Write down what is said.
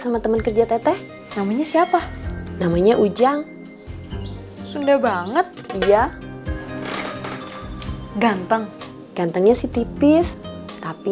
sama temen kerja tetes namanya siapa namanya ujang sunda banget iya ganteng ganteng nya sih tipis tapi